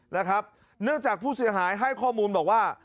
เนื่องจากผู้เสียหายให้ข้อมูลบอกว่า